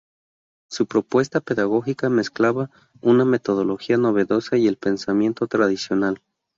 Su propuesta pedagógica mezclaba una metodología novedosa y el pensamiento tradicional.